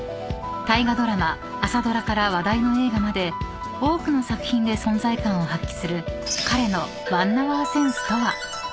［大河ドラマ朝ドラから話題の映画まで多くの作品で存在感を発揮する彼の］